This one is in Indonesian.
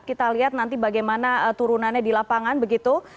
kita lihat nanti bagaimana turunannya di lapangan begitu